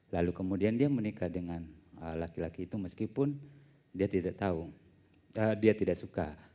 lalu kemudian dia menikah dengan laki laki itu meskipun dia tidak suka